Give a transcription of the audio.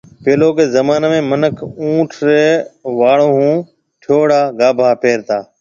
پيلوڪيَ زمانيَ ۾ مِنک اُونٺ ريَ واݪون هون ٺهيَوڙا گاڀا پيرتا۔